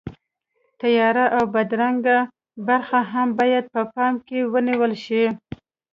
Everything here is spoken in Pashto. تیاره او بدرنګه برخې هم باید په پام کې ونیول شي.